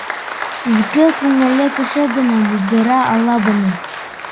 Изге күңелле кеше генә булдыра ала быны.